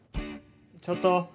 ちょっと！